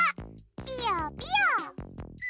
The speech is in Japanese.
ピヨピヨ。